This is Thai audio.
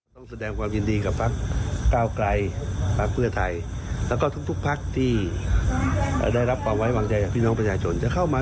ต้องดูจำนวนต่อต่อต่อต่อแต่ละคนของแต่ละภาพที่เข้ามา